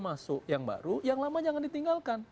masuk yang baru yang lama jangan ditinggalkan